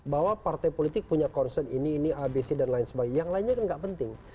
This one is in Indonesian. bahwa partai politik punya concern ini ini abc dan lain sebagainya yang lainnya kan nggak penting